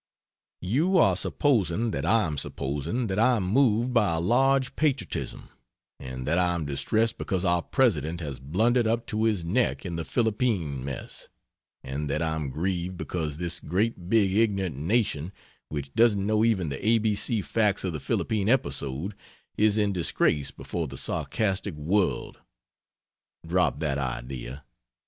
You are supposing that I am supposing that I am moved by a Large Patriotism, and that I am distressed because our President has blundered up to his neck in the Philippine mess; and that I am grieved because this great big ignorant nation, which doesn't know even the A B C facts of the Philippine episode, is in disgrace before the sarcastic world drop that idea!